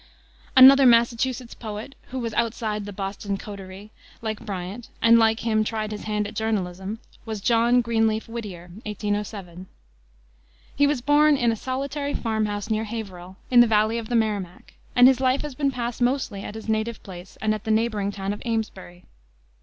Another Massachusetts poet, who was outside the Boston coterie, like Bryant, and, like him, tried his hand at journalism, was John Greenleaf Whittier (1807 ). He was born in a solitary farmhouse near Haverhill, in the valley of the Merrimack, and his life has been passed mostly at his native place and at the neighboring town of Amesbury.